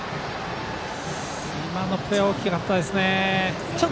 今のプレーは大きかったですね。